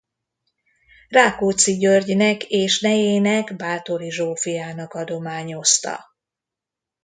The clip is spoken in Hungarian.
Rákóczi Györgynek és nejének Báthory Zsófiának adományozta.